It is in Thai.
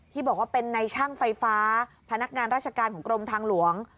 ที่บอกว่าเป็นในช่างไฟฟ้าพนักงานราชการของกรมทางหลวง